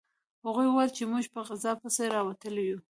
هغوی وویل چې موږ په غذا پسې راوتلي یو